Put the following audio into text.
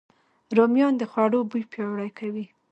رومیان د خوړو بوی پیاوړی کوي